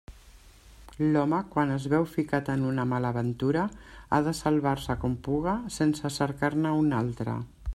L'home, quan es veu ficat en una mala aventura, ha de salvar-se com puga, sense cercar-ne una altra.